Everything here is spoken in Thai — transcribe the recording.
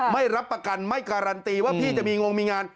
ไม่รับประกันไม่การันตีว่าพี่จะมีงงมีงาน